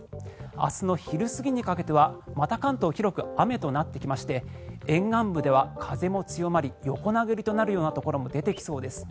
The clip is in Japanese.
明日の昼過ぎにかけてはまた関東広く雨となってきまして沿岸部では風も強まり横殴りとなるところも出てきそうです。